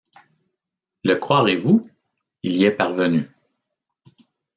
Le croirez-vous ?... il y est parvenu.